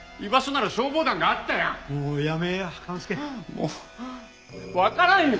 もうわからんよ！